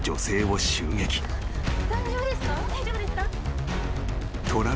大丈夫ですか？